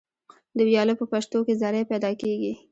د ویالو په پشتو کې زرۍ پیدا کیږي.